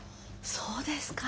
そうですか。